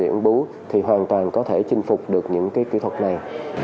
nếu chúng ta có những kỹ thuật đáng bú thì hoàn toàn có thể chinh phục được những kỹ thuật này